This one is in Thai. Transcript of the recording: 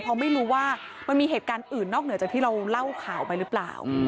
เพราะไม่รู้ว่ามันมีเหตุการณ์อื่นนอกเหนือจากที่เราเล่าข่าวไปหรือเปล่า